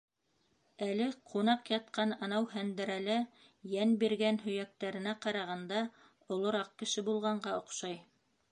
Әле «ҡунаҡ» ятҡан анау һәндерәлә йән биргән, һөйәктәренә ҡарағанда, олораҡ кеше булғанға оҡшай.